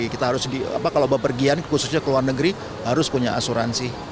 kalau berpergian khususnya ke luar negeri harus punya asuransi